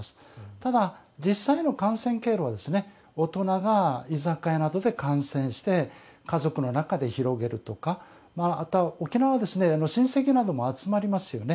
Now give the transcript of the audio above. ただ、実際の感染経路は大人が居酒屋などで感染して家族の中で広げるとかあとは沖縄は親戚なども集まりますよね。